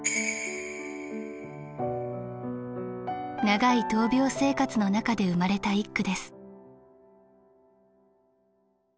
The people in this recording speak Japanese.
長い闘病生活の中で生まれた一句です。